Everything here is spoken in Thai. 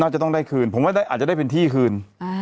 จะต้องได้คืนผมว่าอาจจะได้เป็นที่คืน